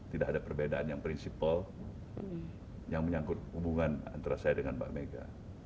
tidak ada perbedaan yang prinsipal yang menyangkut hubungan antara saya dengan mbak mega